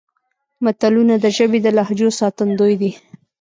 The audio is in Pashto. متلونه د ژبې د لهجو ساتندوی دي